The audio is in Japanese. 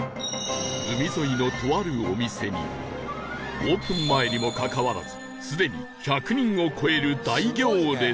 海沿いのとあるお店にオープン前にもかかわらずすでに１００人を超える大行列